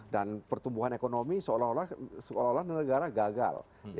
dan pertumbuhan ekonomi seolah olah negara gagal